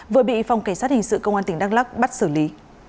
vừa bị phòng cảnh sát hình sự công an tỉnh đắk lắc bắt xử lý